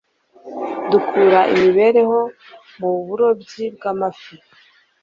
Dukura imibereho mu burobyi bw'amafi